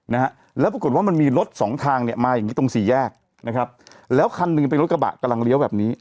นะฮะแล้วปรากฏว่ามันมีรถสองทางเนี่ยมาอย่างงี้ตรงสี่แยกนะครับแล้วคันหนึ่งเป็นรถกระบะกำลังเลี้ยวแบบนี้